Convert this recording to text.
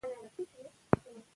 له کبر څخه ځان وساتئ.